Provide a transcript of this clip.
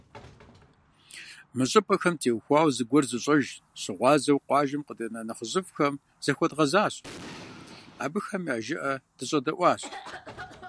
Мы щӏыпӏэхэм теухуауэ зыгуэр зыщӏэж, щыгъуазэу къуажэм къыдэна нэхъыжьыфӏхэм захуэдгъэзащ, абыхэм я жыӏэ дыщӏэдэӏуащ.